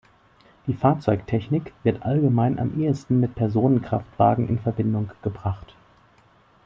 Die Fahrzeugtechnik wird allgemein am ehesten mit Personenkraftwagen in Verbindung gebracht.